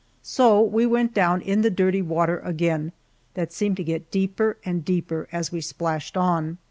So we went down in the dirty water again, that seemed to get deeper and deeper as we splashed on.